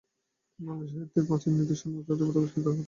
তিনি বাংলা সাহিত্যের প্রাচীনতম নিদর্শন চর্যাপদের আবিষ্কর্তা।